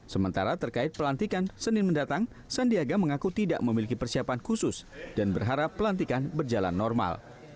sementara terkait pelantikan senin mendatang sandiaga mengaku tidak memiliki persiapan khusus dan berharap pelantikan berjalan normal